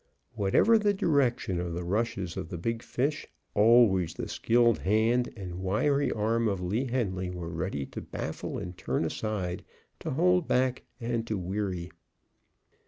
Whatever the direction of the rushes of the big fish, always the skilled hand and wiry arm of Lee Henly were ready to baffle and turn aside, to hold back and to weary.